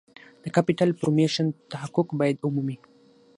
د Capital Formation تحقق باید ومومي.